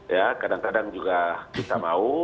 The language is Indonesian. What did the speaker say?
ya kadang kadang juga kita mau